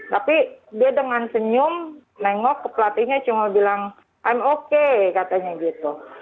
tapi dia dengan senyum nengok ke pelatihnya cuma bilang time oke katanya gitu